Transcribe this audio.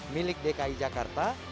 milik dki jakarta